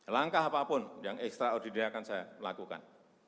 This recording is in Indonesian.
langkah apapun yang extraordinary akan saya lakukan